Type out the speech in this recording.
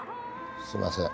すみません。